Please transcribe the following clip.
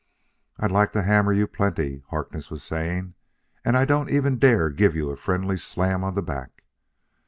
"I'd like to hammer you plenty," Harkness was saying, "and I don't even dare give you a friendly slam on the back.